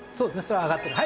それは上がってる